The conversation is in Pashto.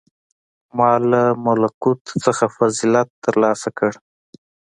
• ما له ملکوت څخه فضیلت تر لاسه کړ.